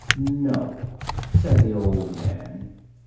"No," said the old man.